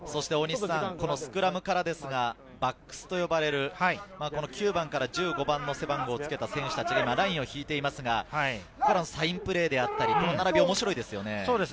スクラムからですが、バックスといわれる９番から１５番の背番号をつけた選手たちが今ラインを引いていますが、サインプレーであったり、この並び、面白いですよね。